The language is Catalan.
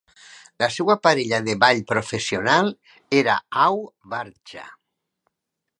La seva parella de ball professional era Au Vardja.